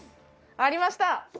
ありました！